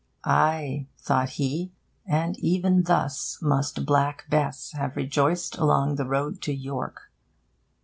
Aye, thought he, and even thus must Black Bess have rejoiced along the road to York.